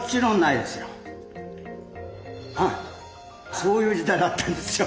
そういう時代だったんですよ。